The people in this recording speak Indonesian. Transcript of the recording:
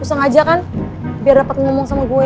usah ngajak kan biar dapat ngomong sama gue